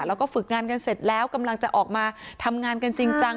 แล้วก็ฝึกงานกันเสร็จแล้วกำลังจะออกมาทำงานกันจริงจัง